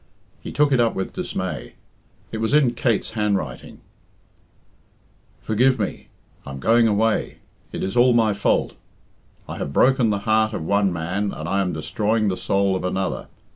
He took it up with dismay. It was in Kate's handwriting: "Forgive me! I am going away. It is all my fault. I have broken the heart of one man, and I am destroying the soul of another.